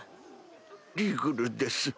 「リグル」です。